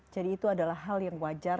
jadi itu adalah hal yang wajar